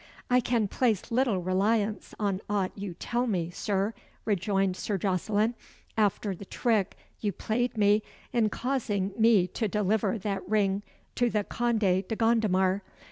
"I can place little reliance on aught you tell me, Sir," rejoined Sir Jocelyn, "after the trick you played me in causing me to deliver that ring to the Conde de Gondomar.